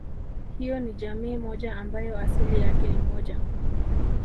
Hiyo ni jamii moja ambayo asili yake ni moja